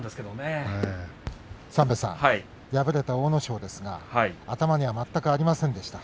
敗れた阿武咲ですが頭には全くありませんでした。